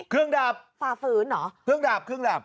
เครื่องดับฝาฝื้นเหรอเครื่องดับเครื่องดับ